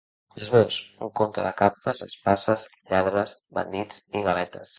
Esbós: Un conte de capes, espases, lladres, bandits i galetes.